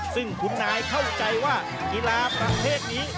ซึ่งคุณนายเข้าใจว่ากีฬาประเภทนี้